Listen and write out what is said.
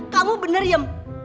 kamu bener iem